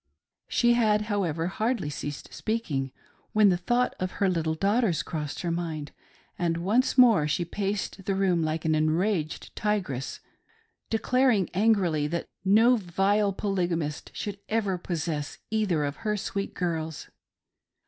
She had, however, hardly ceased speaking when the thought of her little daughters crossed her mind and once more she paced the room like an enraged tigress, declaring angrily that "nO vile Polygamist should ever possess either of her sweet girls."